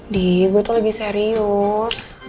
dih gue tuh lagi serius